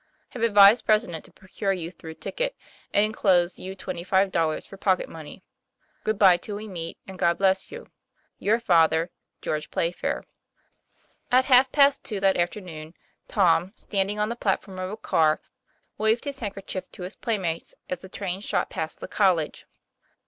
Have advised president to procure you through ticket, and enclose you twenty five dollars for pocket money. Good by till we meet, and God bless you. Your father, GEORGE PLAYFAIR. At half past two that afternoon Tom, standing on the platform of a car, waved his handkerchief to his playmates as the train shot past the college.